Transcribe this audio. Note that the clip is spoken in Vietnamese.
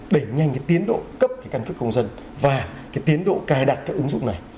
để đẩy nhanh cái tiến độ cấp cái căn cức công dân và cái tiến độ cài đặt cái ứng dụng này